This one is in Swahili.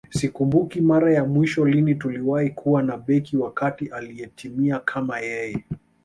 Sikumbuki mara ya mwisho lini tuliwahi kuwa na beki wa kati aliyetimia kama yeye